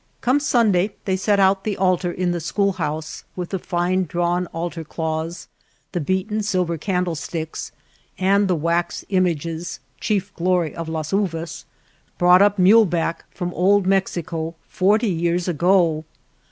Come Sunday they set out the altar in the schoolhouse, with the fine drawn altar cloths, the beaten silver candle sticks, and the wax images, chief glory of Las Uvas, brought up mule back from Old Mexico forty years ago.